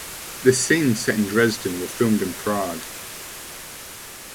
The scenes set in Dresden were filmed in Prague.